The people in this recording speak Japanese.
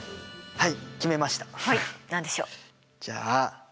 はい。